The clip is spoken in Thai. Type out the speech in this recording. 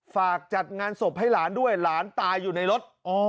จัดงานศพให้หลานด้วยหลานตายอยู่ในรถ